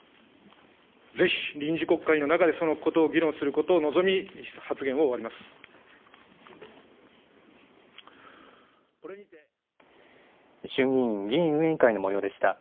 ぜひ臨時国会の中でそのことを議論することを臨み、発言を終衆議院議院運営委員会のもようでした。